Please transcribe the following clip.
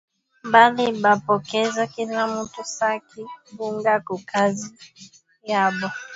Bali bapokeza kila mutu saki ya bunga ku kazi yabo